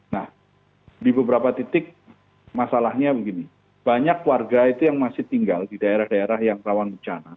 nah di beberapa titik masalahnya begini banyak warga itu yang masih tinggal di daerah daerah yang rawan bencana